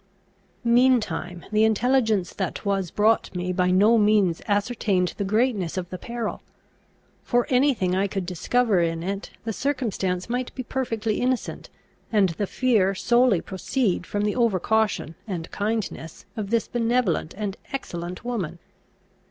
Meantime the intelligence that was brought me by no means ascertained the greatness of the peril. For any thing I could discover in it the circumstance might be perfectly innocent, and the fear solely proceed from the over caution and kindness of this benevolent and excellent woman.